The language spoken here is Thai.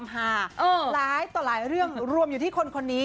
หลายต่อหลายเรื่องรวมอยู่ที่คนนี้